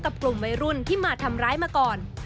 กลุ่มวัยรุ่นที่มาทำร้ายมาก่อน